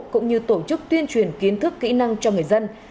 cũng như tổ chức tuyên truyền kiến thức kỹ năng cho người dân